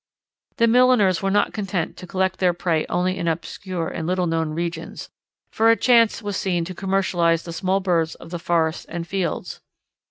The milliners were not content to collect their prey only in obscure and little known regions, for a chance was seen to commercialize the small birds of the forests and fields.